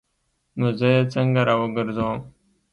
نو زه یې څنګه راوګرځوم؟